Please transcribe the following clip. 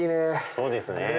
そうですね。